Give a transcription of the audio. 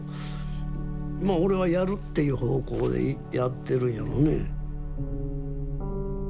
まあ俺はやるっていう方向でやってるんやろね。